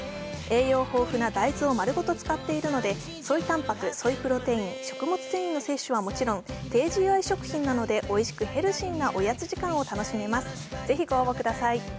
栄養豊富な大豆を丸ごと使っているのでソイタンパク・ソイプロテイン・食物繊維の摂取はもちろん低ＧＩ食品なのでおいしくヘルシーなおやつ時間を楽しめます。